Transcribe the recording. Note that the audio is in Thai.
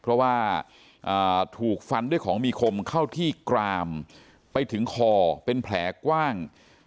เพราะว่าถูกฟันด้วยของมีคมเข้าที่กรามไปถึงคอเป็นแผลกว้าง